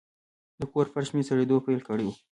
د کور فرش مې سړېدو پیل کړی و.